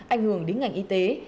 ảnh hưởng đến ngành y tế